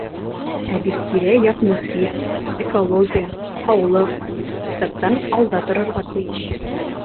Ә бит тирә-яҡ мөхит, экология, һаулыҡ иҡтисадтан алда торорға тейеш.